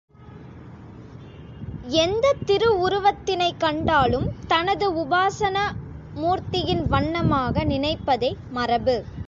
எந்தத் திருவுருவத் தினைக் கண்டாலும் தனது உபாசனா மூர்த்தியின் வண்ணமாக நினைப்பதே மரபு.